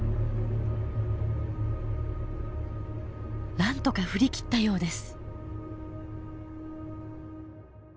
なんとか振り切ったようです。